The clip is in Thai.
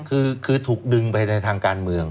คือถูกดึงไปในทางการเมือง